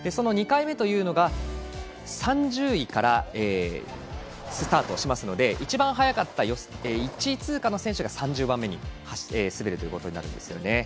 ２回目が３０位からスタートしますので一番早かった１位通過の選手が３０番目に滑るということになります。